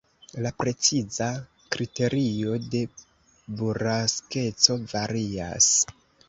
La preciza kriterio de buraskeco varias.